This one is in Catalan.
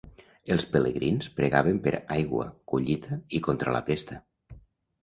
Els pelegrins pregaven per aigua, collita i contra la pesta.